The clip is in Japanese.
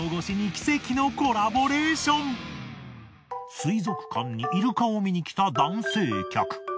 水族館にイルカを観に来た男性客。